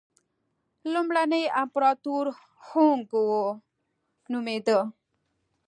لومړنی امپراتور هونګ وو نومېده.